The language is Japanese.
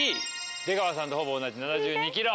出川さんとほぼ同じ７２ｋｇ。